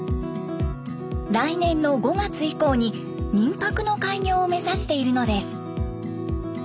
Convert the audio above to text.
来年の５月以降に民泊の開業を目指しているのです。